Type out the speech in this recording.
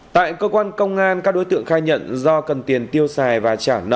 tại cơ quan công an các đối tượng khai nhận do cần tiền tiêu xài và trả nợ